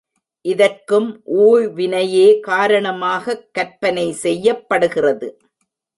இதற்கும் ஊழ்வினையே காரணமாகக் கற்பனை செய்யப்படுகிறது.